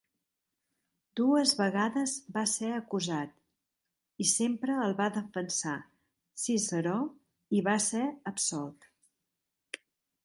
Dues vegades va ser acusat i sempre el va defensar Ciceró i va ser absolt.